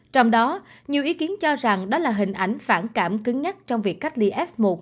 trong đó nhiều ý kiến cho rằng đó là hình ảnh phản cảm cứng nhắc trong việc cách ly f một